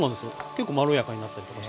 結構まろやかになったりとかして。